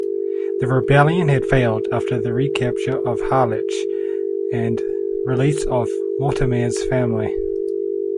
The rebellion had failed after the re-capture of Harlech, and release of Mortimer's family.